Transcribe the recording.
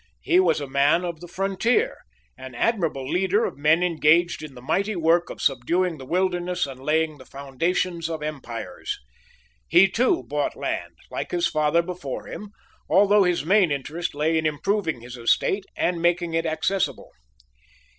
He was a man of the frontier, an admirable leader of men engaged in the mighty work of subduing the wilderness and laying the foundations of empires. He, too, bought land, like his father before him, although his main interest lay in improving his estate and making it accessible.